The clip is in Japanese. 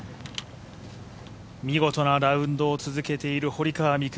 見事なラウンドを続けている堀川未来